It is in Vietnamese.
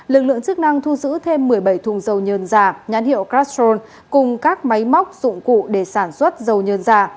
lực lượng chức năng thu giữ thêm một mươi bảy thùng dầu nhơn giả nhãn hiệu castrol cùng các máy móc dụng cụ để sản xuất dầu nhờn giả